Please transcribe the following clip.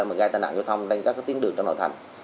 mà gây tai nạn giao thông trên các tuyến đường trong nội thành